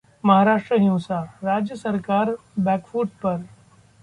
महाराष्ट्र हिंसा: राज्य सरकार बैकफुट पर